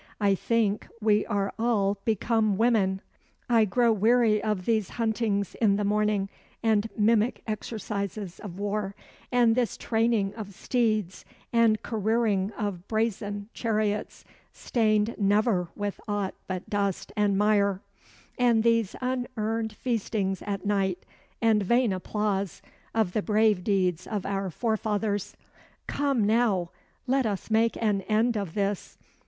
I think we are all become women. I grow weary of these huntings in the morning and mimic exercises of war, and this training of steeds and careering of brazen chariots stained never with aught but dust and mire, and these unearned feastings at night and vain applause of the brave deeds of our forefathers. Come now, let us make an end of this.